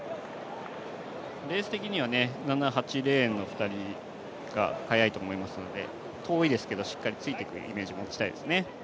レース的には７、８レーンの２人が速いと思うので遠いですけどしっかりついていくイメージを持ちたいですね。